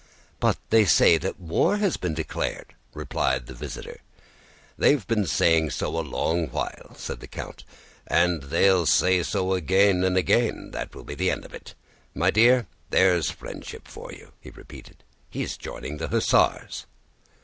"But they say that war has been declared," replied the visitor. "They've been saying so a long while," said the count, "and they'll say so again and again, and that will be the end of it. My dear, there's friendship for you," he repeated. "He's joining the hussars."